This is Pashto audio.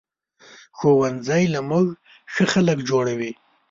ښوونځی له مونږ ښه خلک جوړوي